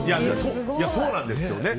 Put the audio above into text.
そうなんですよね。